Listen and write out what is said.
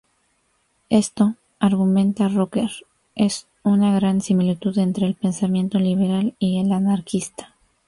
Esto, argumenta Rocker, es una gran similitud entre el pensamiento liberal y el anarquista.